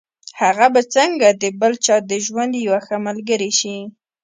هغه به څنګه د بل چا د ژوند يوه ښه ملګرې شي.